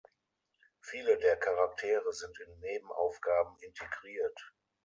Viele der Charaktere sind in Nebenaufgaben integriert.